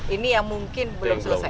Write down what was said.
ini yang mungkin belum selesai